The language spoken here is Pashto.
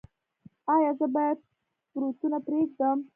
ایا زه باید بروتونه پریږدم؟